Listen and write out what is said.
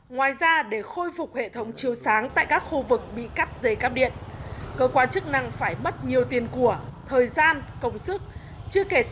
ngoài ra để khôi phục hệ thống chiều sáng tại các khu vực bị cắt dây cắp điện cơ quan chức năng phải mất nhiều tiền của thời gian công sức